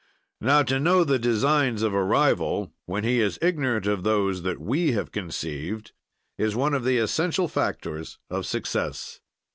"Now, to know the designs of a rival, when he is ignorant of those that we have conceived, is one of the essential factors of success.